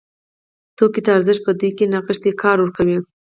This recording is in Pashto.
توکو ته ارزښت په دوی کې نغښتی کار ورکوي.